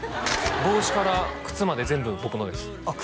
帽子から靴まで全部僕のですあっ